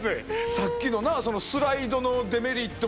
さっきのなスライドのデメリットも